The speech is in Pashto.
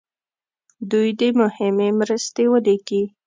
دوی دې مهمې مرستې ولیکي.